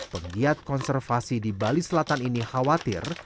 penggiat konservasi di bali selatan ini khawatir